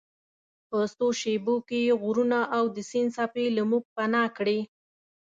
په څو شیبو کې یې غرونه او د سیند څپې له موږ پناه کړې.